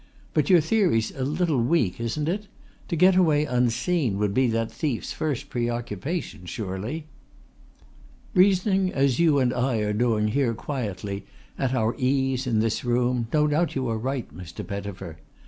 But your theory's a little weak, isn't it? To get away unseen would be that thief's first preoccupation, surely?" "Reasoning as you and I are doing here quietly, at our ease, in this room, no doubt you are right, Mr. Pettifer.